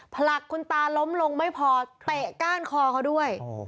ผลักคุณตาล้มลงไม่พอเตะก้านคอเขาด้วย